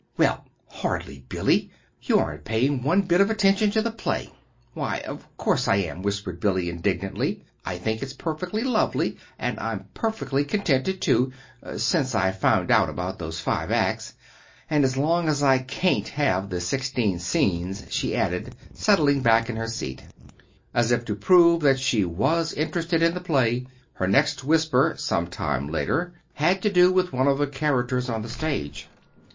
"Well, hardly! Billy, you aren't paying one bit of attention to the play!" "Why, of course I am," whispered Billy, indignantly. "I think it's perfectly lovely, and I'm perfectly contented, too since I found out about those five acts, and as long as I can't have the sixteen scenes," she added, settling back in her seat. As if to prove that she was interested in the play, her next whisper, some time later, had to do with one of the characters on the stage.